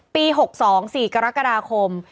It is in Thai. ปี๖๒๔กรกฎาคม